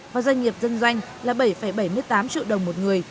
và doanh nghiệp dân doanh là bảy bảy mươi tám triệu đồng một người